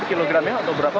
kilogramnya atau berapa